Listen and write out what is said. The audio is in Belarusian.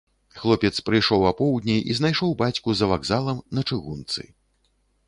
Хлопец прыйшоў апоўдні і знайшоў бацьку за вакзалам, на чыгунцы.